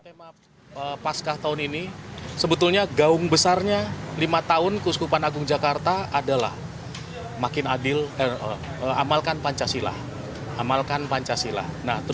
tema pasca tahun ini sebetulnya gaung besarnya lima tahun kuskupan agung jakarta adalah amalkan pancasila